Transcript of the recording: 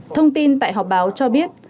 thông tin tại họp báo cho biết